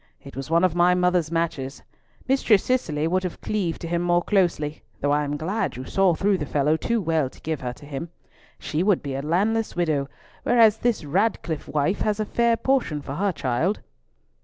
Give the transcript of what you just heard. It was one of my mother's matches. Mistress Cicely would have cleaved to him more closely, though I am glad you saw through the fellow too well to give her to him. She would be a landless widow, whereas this Ratcliffe wife has a fair portion for her child."